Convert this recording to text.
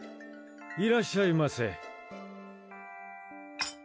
いらっしゃいませ。